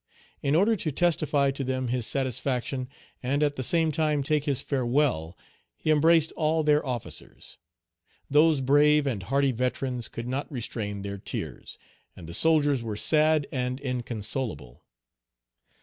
In order to testify to them his satisfaction, and at the same time take his farewell, he embraced all their officers. Those brave and hardy veterans could not restrain their tears, and the soldiers were sad and inconsolable.